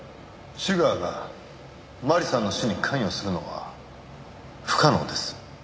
シュガーが麻里さんの死に関与するのは不可能です。